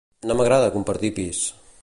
No m'agrada compartir pis